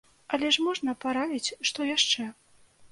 Але ж можна параіць што яшчэ?